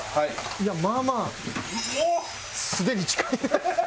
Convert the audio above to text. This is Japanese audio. いやまあまあ素手に近い。